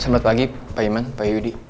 selamat pagi pak iman pak yudi